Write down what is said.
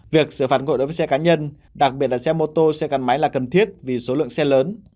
việc xử phản ngội đối với xe cá nhân đặc biệt là xe mô tô xe căn máy là cần thiết vì số lượng xe lớn